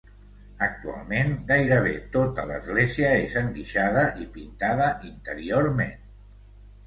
Actualment, gairebé tota l'església és enguixada i pintada interiorment.